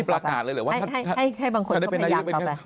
นี่ประกาศเลยหรือว่าถ้าได้เป็นนายก